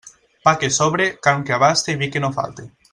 Pa que sobre, carn que abaste i vi que no falte.